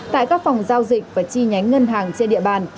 tại các phòng giao dịch và chi nhánh ngân hàng trên địa bàn